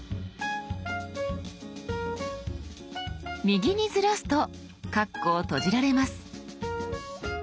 右にずらすとカッコを閉じられます。